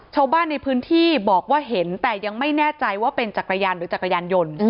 ชาวบ้านในพื้นที่บอกว่าเห็นแต่ยังไม่แน่ใจว่าเป็นจักรยานหรือจักรยานยนต์